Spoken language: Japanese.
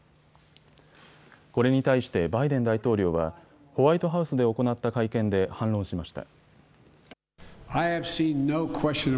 これに対してバイデン大統領はホワイトハウスで行った会見で反論しました。